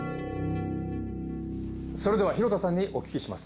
それでは廣田さんにお聞きします。